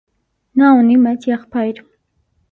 Նա ունի մեծ եղբայր։